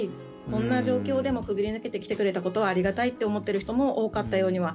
こんな状況でもくぐり抜けて、来てくれたことはありがたいと思っている人も多かったようには。